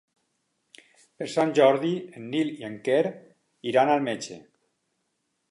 Per Sant Jordi en Nil i en Quer iran al metge.